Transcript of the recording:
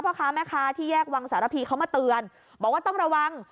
พ่อค้าแม่ค้าที่แยกวังสารพีเขามาเตือนบอกว่าต้องระวัง